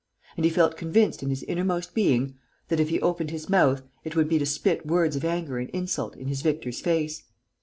And he felt convinced in his innermost being that, if he opened his mouth, it would be to spit words of anger and insult in his victor's face.